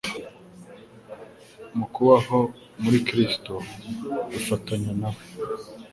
Mu kubaho muri Kristo ukifatanya na we,